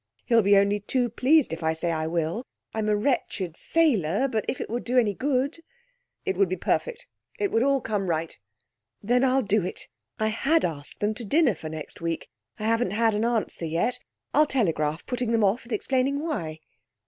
He'll be only too pleased if I say I will. I'm a wretched sailor, but if it would do any good ' 'It would be perfect. It would all come right.' 'Then I'll do it. I had asked them to dinner for next week. I haven't had an answer yet. I'll telegraph, putting them off, and explaining why.'